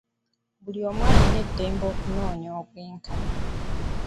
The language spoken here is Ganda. Buli omu alina eddembe okunoonya obwenkanya.